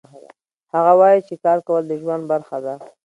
هغه وایي چې کار کول د ژوند برخه ده